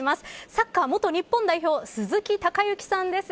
サッカー元日本代表鈴木隆行さんです。